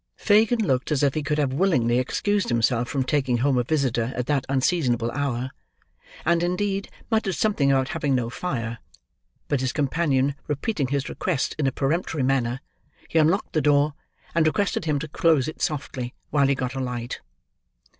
Fagin looked as if he could have willingly excused himself from taking home a visitor at that unseasonable hour; and, indeed, muttered something about having no fire; but his companion repeating his request in a peremptory manner, he unlocked the door, and requested him to close it softly, while he got a light.